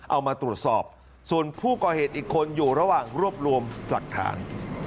เอามาตรวจสอบส่วนผู้ก่อเหตุอีกคนอยู่ระหว่างรวบรวมหลักฐาน